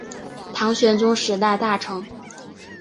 唐玄宗时代大臣。